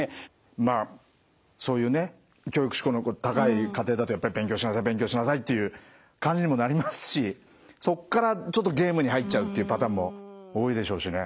まあそういうね教育指向の高い家庭だとやっぱり勉強しなさい勉強しなさいっていう感じにもなりますしそっからちょっとゲームに入っちゃうっていうパターンも多いでしょうしね。